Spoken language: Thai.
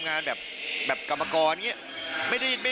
งานแบบกรรมก็ไม่ได้เกี่ยวกับ